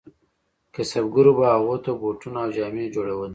کسبګرو به هغو ته بوټونه او جامې جوړولې.